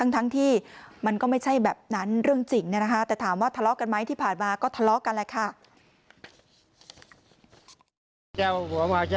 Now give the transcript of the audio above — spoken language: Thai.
ทั้งที่มันก็ไม่ใช่แบบนั้นเรื่องจริงแต่ถามว่าทะเลาะกันไหมที่ผ่านมาก็ทะเลาะกันแหละค่ะ